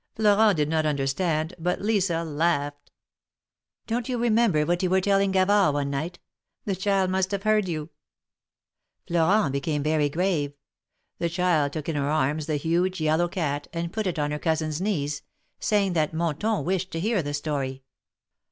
Florent did not understand, but Lisa laughed. 112 THE MARKETS OF PARIS. Don't you remember what you were telling Gavard one night? The child must have heard you." Florent became very grave. The child took in her arms the huge yellow cat, and put it on her cousin's knees, saying that Monton wished to hear the story.